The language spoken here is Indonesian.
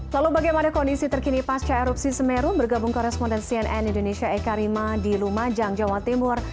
lalu bagaimana kondisi terkini pasca erupsi semeru bergabung koresponden cnn indonesia eka rima di lumajang jawa timur